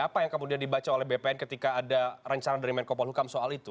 apa yang kemudian dibaca oleh bpn ketika ada rencana dari menko polhukam soal itu